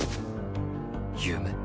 夢？